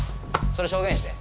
それ証言して。